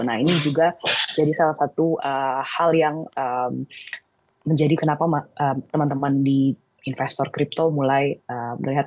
nah ini juga jadi salah satu hal yang menjadi kenapa teman teman di investor crypto mulai melihat